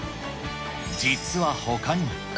実はほかにも。